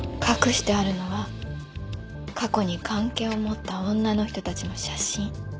隠してあるのは過去に関係を持った女の人たちの写真。